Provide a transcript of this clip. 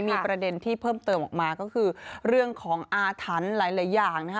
มีประเด็นที่เพิ่มเติมออกมาก็คือเรื่องของอาถรรพ์หลายอย่างนะคะ